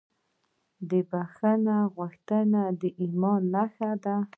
د بښنې غوښتنه د ایمان نښه ده.